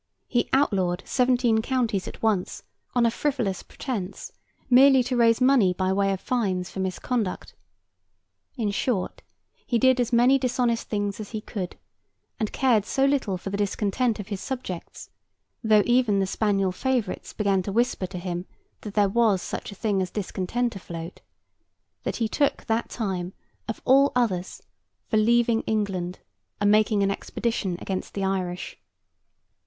He outlawed seventeen counties at once, on a frivolous pretence, merely to raise money by way of fines for misconduct. In short, he did as many dishonest things as he could; and cared so little for the discontent of his subjects—though even the spaniel favourites began to whisper to him that there was such a thing as discontent afloat—that he took that time, of all others, for leaving England and making an expedition against the Irish.